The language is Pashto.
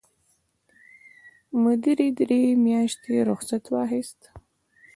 مدیرې درې میاشتې رخصت واخیست.